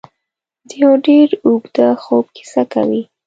د یو ډېر اوږده خوب کیسه کوي.